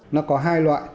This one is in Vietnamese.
nó có hai loại